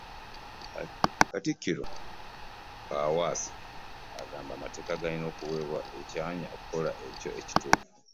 Katikkiro Kaawaase agamba amateeka galina okuweebwa ekyanya okukola ekyo ekituufu.